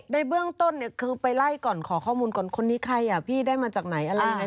ในเบื้องต้นเนี่ยคือไปไล่ก่อนขอข้อมูลก่อนคนนี้ใครอ่ะพี่ได้มาจากไหนอะไรยังไง